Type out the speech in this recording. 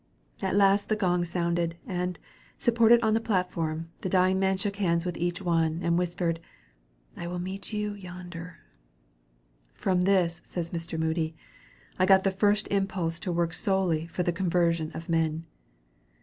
At last the gong sounded, and, supported on the platform, the dying man shook hands with each one, and whispered, 'I will meet you yonder.' "From this," says Mr. Moody, "I got the first impulse to work solely for the conversion of men."